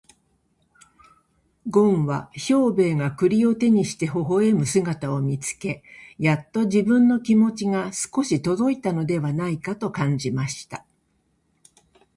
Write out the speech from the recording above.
ごんは兵十が栗を手にして微笑む姿を見つけ、やっと自分の気持ちが少し届いたのではないかと感じました。